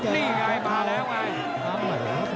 เลือกให้ไม่เกราะสิงห์ดำ